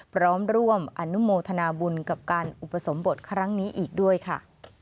พร้อมร่วมอนุโมทนาบุญกับการอุปสมบทครั้งนี้อีกด้วยค่ะ